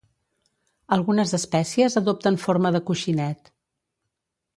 Algunes espècies adopten forma de coixinet.